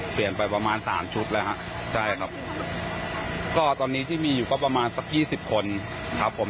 เปลี่ยนไปประมาณสามชุดแล้วฮะใช่ครับก็ตอนนี้ที่มีอยู่ก็ประมาณสักยี่สิบคนครับผม